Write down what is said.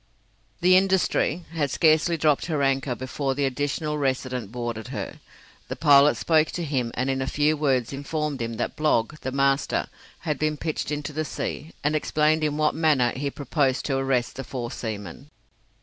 The 'Industry' had scarcely dropped her anchor before the Additional Resident boarded her. The pilot spoke to him and in a few words informed him that Blogg, the master, had been pitched into the sea, and explained in what manner he proposed to arrest the four seamen.